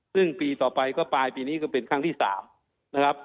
ซึ่งปีต่อไปก็ปลายปีนี้ก็เป็นครั้งที่๓นะครับ